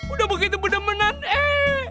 udah begitu berdemenan eh